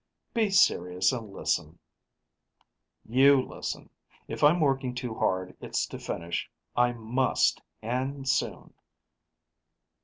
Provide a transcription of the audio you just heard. "Be serious and listen " "You listen: if I'm working too hard, it's to finish. I must, and soon."